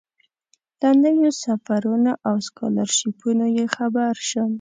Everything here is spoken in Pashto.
له نویو سفرونو او سکالرشیپونو یې خبر شم.